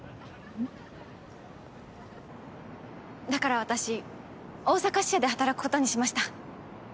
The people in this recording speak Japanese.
だから私大阪支社で働くことにしました。